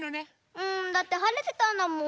うんだってはれてたんだもん。